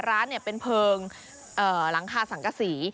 ร้านเป็นเพลิงหลังคาสังกษี